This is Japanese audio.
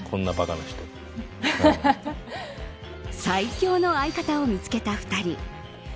最強の相方を見つけた２人。